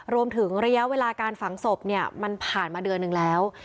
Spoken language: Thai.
ระยะเวลาการฝังศพเนี่ยมันผ่านมาเดือนหนึ่งแล้ว